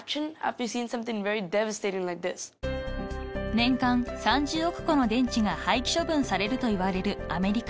［年間３０億個の電池が廃棄処分されるといわれるアメリカ］